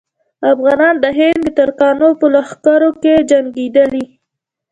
افغانان د هند د ترکانو په لښکرو کې جنګېدلي.